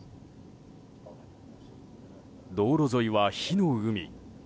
道路沿いは火の海。